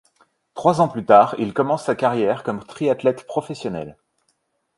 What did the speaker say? Trois ans plus tard, il commence sa carrière comme triathlète professionnel.